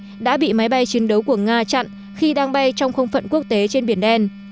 thám nước này đã bị máy bay chiến đấu của nga chặn khi đang bay trong không phận quốc tế trên biển đen